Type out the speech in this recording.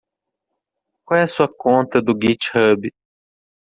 Qual é a sua conta do Github?